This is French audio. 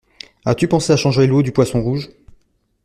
As-tu pensé à changer l'eau du poisson rouge?